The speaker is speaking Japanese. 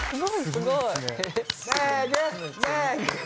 すごいよ。